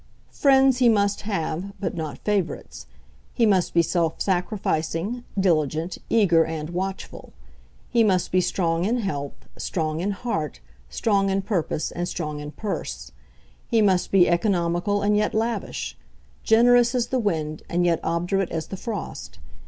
Friends he must have, but not favourites. He must be self sacrificing, diligent, eager, and watchful. He must be strong in health, strong in heart, strong in purpose, and strong in purse. He must be economical and yet lavish; generous as the wind and yet obdurate as the frost.